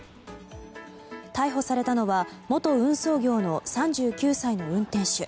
逮捕されたのは元運送業の３９歳の運転手。